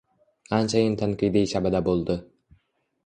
Anchayin tanqidiy shabada bo’ldi.